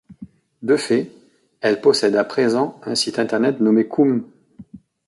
De fait, elle possède à présent un site internet nommé Coum.